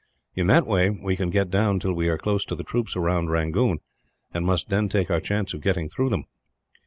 "In that way we can get down till we are close to the troops round Rangoon, and must then take our chance of getting through them."